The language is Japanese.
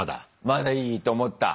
まだいいと思った？